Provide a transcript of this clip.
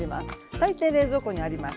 大抵冷蔵庫にあります。